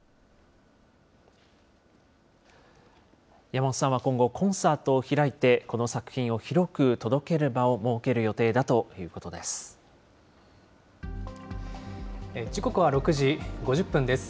山本さんは今後、コンサートを開いて、この作品を広く届ける場を設ける予定だということです。